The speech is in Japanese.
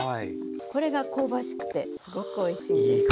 これが香ばしくてすごくおいしいんです。